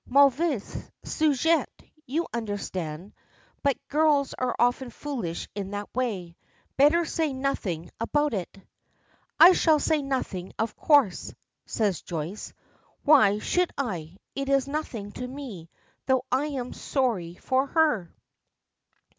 Mauvais sujet, you understand. But girls are often foolish in that way. Better say nothing about it." "I shall say nothing, of course," says Joyce. "Why should I? It is nothing to me, though I am sorry for her."